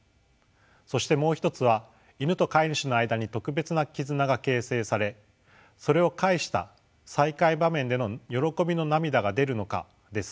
そしてもう一つはイヌと飼い主の間に特別な絆が形成されそれを介した再会場面での喜びの涙が出るのかです。